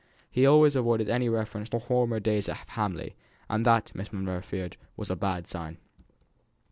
He always avoided any reference to former days at Hamley, and that, Miss Monro feared, was a bad sign.